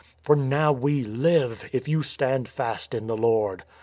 for now we live, if you stand fast in the Lord.